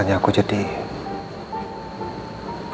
nanti aku akan kasih tau